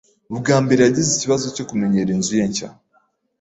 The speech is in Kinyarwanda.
Ubwa mbere yagize ikibazo cyo kumenyera inzu ye nshya.